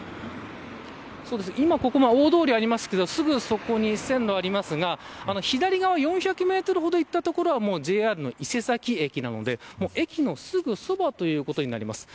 大通りありますけどすぐそこに、線路がありますが左側４００メートルほど行った所はＪＲの伊勢崎駅なので駅のすぐそばということです。